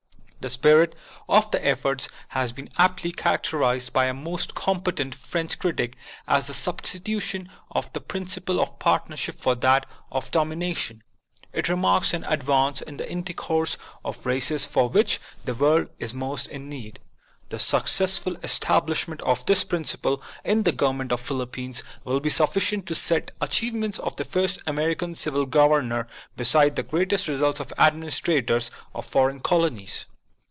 The spirit of the effort has been aptly characterized by a most competent French critic as " the substitution of the prin ciple of partnership for that of domination." It marks an advance in the intercourse of races for which the world is most in need. The successful establishment of this principle in the government of the Philippines, will be sufficient to set the achievements of the first American civil governor beside the greatest results of adminis trators of foreign colonies.